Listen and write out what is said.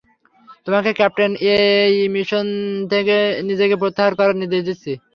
তোমাকে ক্যাপ্টেন এই মিশন থেকে নিজেকে প্রত্যাহার করার নির্দেশ দিচ্ছি।